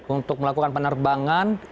untuk melakukan penerbangan